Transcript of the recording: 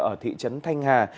ở thị trấn thanh hà